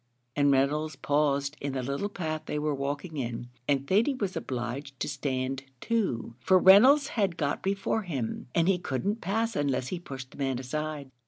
And Reynolds paused in the little path they were walking in, and Thady was obliged to stand too, for Reynolds had got before him, and he couldn't pass unless he pushed the man aside.